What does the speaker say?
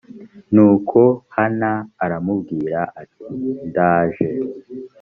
nuko hana aramubwira ati ndaje